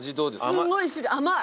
すごい汁甘い。